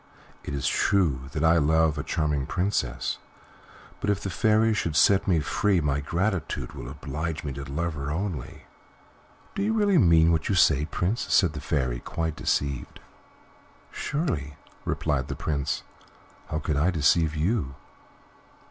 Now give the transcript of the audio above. It is true that I love a charming princess, but if the Fairy should set me free my gratitude would oblige me to love her only." "Do you really mean what you say, Prince?" said the Fairy, quite deceived. "Surely," replied the Prince; "how could I deceive you?